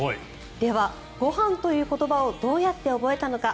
では、ご飯という言葉をどうやって覚えたのか。